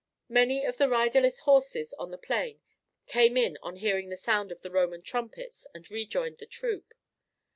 Many of the riderless horses on the plain came in on hearing the sound of the Roman trumpets and rejoined the troop.